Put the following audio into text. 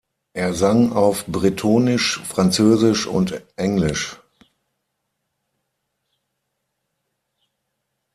Er sang auf Bretonisch, Französisch und Englisch.